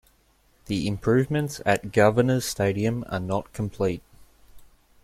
The improvements at Governors Stadium are not complete.